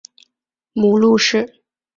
母陆氏。